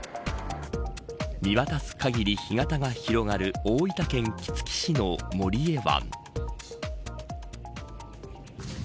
見渡す限り干潟が広がる大分県杵築市の守江湾。